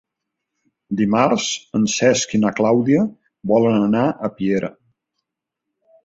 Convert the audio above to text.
Dimarts en Cesc i na Clàudia volen anar a Piera.